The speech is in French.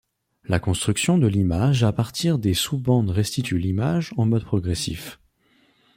La construction de l’image à partir des sous-bandes restitue l’image en mode progressif.